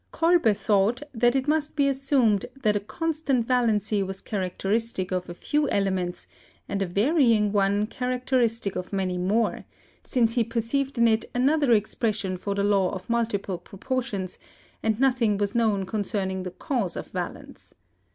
Kolbe thought that it must be 244 CHEMISTRY assumed that a constant valency was characteristic of a few elements and a varying one characteristic of many more, since he perceived in it another expression for the law of multiple proportions and nothing was known concerning the cause of valence.